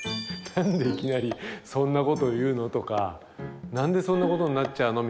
「何でいきなりそんなこと言うの？」とか「何でそんなことになっちゃうの？」